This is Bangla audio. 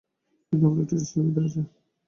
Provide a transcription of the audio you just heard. কিন্তু আমার একটি সুবিধা আছে।